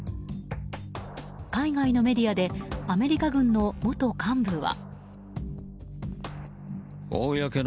海外のメディアでアメリカ軍の元幹部は。